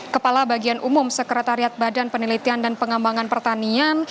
kepala bagian umum sekretariat badan penelitian dan pengembangan pertanian